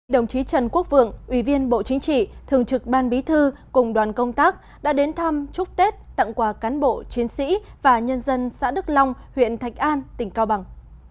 đồng chí trần quốc vượng ủy viên bộ chính trị thường trực ban bí thư cùng đoàn công tác đã đến thăm chúc tết tặng quà cán bộ chiến sĩ và nhân dân xã đức long huyện thạch an tỉnh cao bằng